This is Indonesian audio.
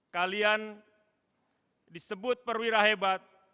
kalian disebut perwira hebat